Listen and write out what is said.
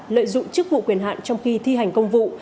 lợi dụng chức vụ quyền hạn trong khi thi hành công vụ